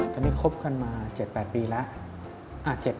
ตอนนี้คบกันมา๗๘ปีแล้ว